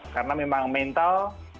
karena memang mental